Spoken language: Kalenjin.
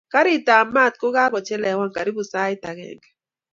karit ab mat kakakocheleean karibu saait angengee